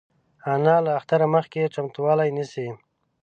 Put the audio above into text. انا له اختره مخکې چمتووالی نیسي